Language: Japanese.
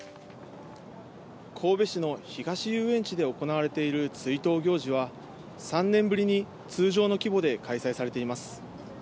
神戸市の東遊園地で行われている追悼行事は３年ぶりに通常の規模で開催されています。